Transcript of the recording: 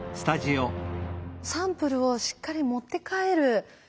サンプルをしっかり持って帰る計画まである。